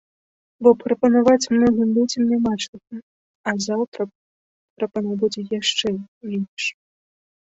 Бо прапанаваць многім людзям няма чаго, а заўтра прапаноў будзе яшчэ менш.